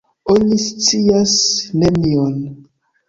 Oni scias nenion.